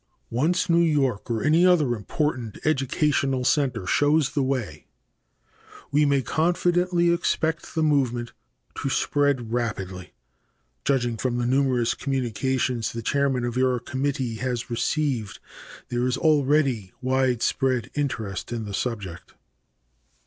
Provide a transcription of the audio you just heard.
Once New York or any other important educational center shows the way, we may confidently expect the movement to spread rapidly. Judging from the numerous communications the chairman of your committee has received there is already widespread interest in the subject.